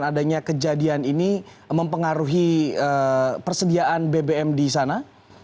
adanya kejadian ini mempengaruhi persediaan bbm di sana